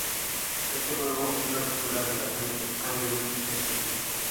Este juego es la secuela de la serie de Angry Birds Stella.